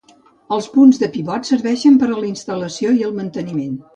Els punts de pivot serveixen per a la instal·lació i el manteniment.